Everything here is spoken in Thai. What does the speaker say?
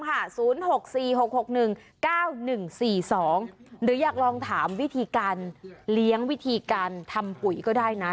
หรืออยากลองถามวิธีการเลี้ยงวิธีการทำปุ๋ยก็ได้นะ